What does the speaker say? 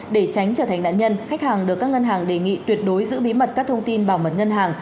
để tránh trở thành nạn nhân khách hàng được các ngân hàng đề nghị tuyệt đối giữ bí mật các thông tin bảo mật ngân hàng